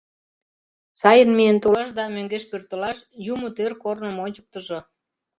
Сайын миен толаш да мӧҥгеш пӧртылаш Юмо тӧр корным ончыктыжо».